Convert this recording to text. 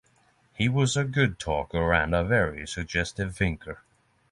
He was a good talker and a very suggestive thinker.